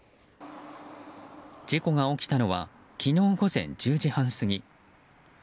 事故が起きたのは昨日午前１０時半過ぎ。